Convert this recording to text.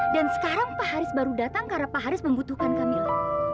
dan sekarang pak haris baru datang karena pak haris membutuhkan kamila